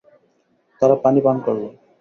তারা পানি পান করল।